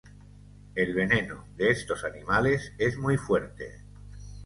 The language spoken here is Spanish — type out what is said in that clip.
El veneno de estos animales es muy fuerte.